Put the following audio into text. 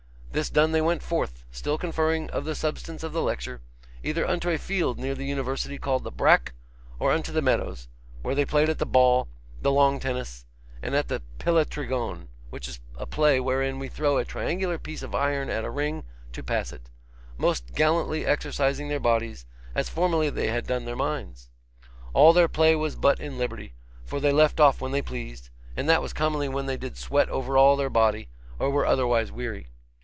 This done they went forth, still conferring of the substance of the lecture, either unto a field near the university called the Brack, or unto the meadows, where they played at the ball, the long tennis, and at the piletrigone (which is a play wherein we throw a triangular piece of iron at a ring, to pass it), most gallantly exercising their bodies, as formerly they had done their minds. All their play was but in liberty, for they left off when they pleased, and that was commonly when they did sweat over all their body, or were otherwise weary.